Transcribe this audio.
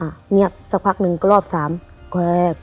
เหนียบสักพักนึงก็รอบ๓แกรก